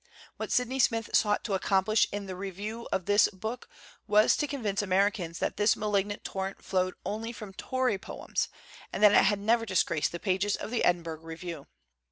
What Sydney Smith sought to accomplish in this review of this book was to convince Ameri cans that this malignant torrent flowed only from Tory pens and that it had never disgraced the pages of the Edinburgh Review.